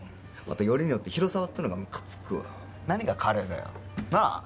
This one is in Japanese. たよりによって広沢ってのがムカつくわ何がカレーだよなあ